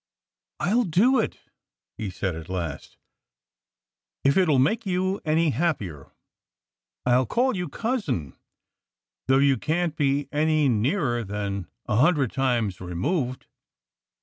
"I'll do it!" he said at last. "If it will make you any happier I'll call you 'Cousin' though you can't be any nearer than a hundred times removed."